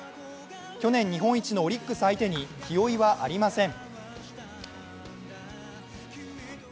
去年日本一のオリックス相手に気負いはありません。